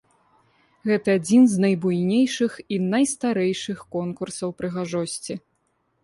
Гэта адзін з найбуйнейшых і найстарэйшых конкурсаў прыгажосці.